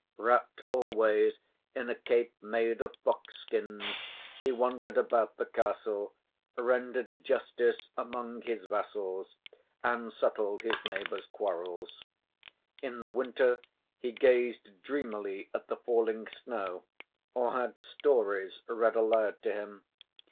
Wrapped always in a cape made of fox skins, he wandered about the castle, rendered justice among his vassals and settled his neighbours' quarrels. In the winter, he gazed dreamily at the falling snow, or had stories read aloud to him.